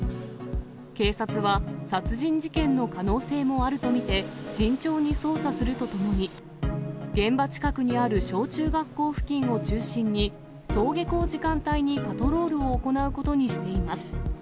警察は、殺人事件の可能性もあると見て、慎重に捜査するとともに、現場近くにある小中学校付近を中心に、登下校時間帯にパトロールを行うことにしています。